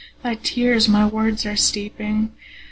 Thy tears my words are steeping.